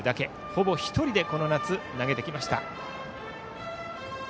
ほぼ１人でこの夏投げてきました。